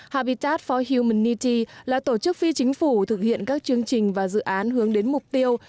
havita for humanity là tổ chức phi chính phủ thực hiện các chương trình và dự án hướng đến mục tiêu